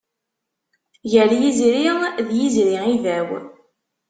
Gar yizri, d yizri ibaw.